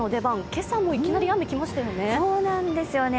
今朝もいきなり雨が来ましたよね。